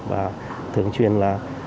và thường truyền là